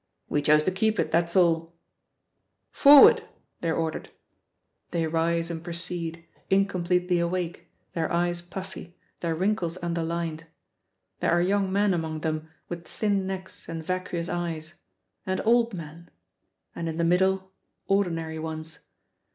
"We chose to keep it, that's all." "Forward!" they are ordered. They rise and proceed, incompletely awake, their eyes puffy, their wrinkles underlined. There are young men among them with thin necks and vacuous eyes, and old men; and in the middle, ordinary ones.